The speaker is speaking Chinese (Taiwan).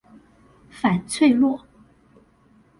反脆弱